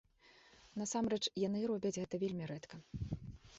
Насамрэч, яны робяць гэта вельмі рэдка.